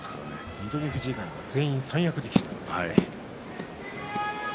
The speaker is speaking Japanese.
翠富士以外は全員三役力士です。